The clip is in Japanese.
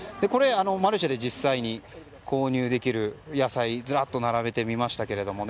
マルシェで実際に購入できる野菜をずらっと並べてみました。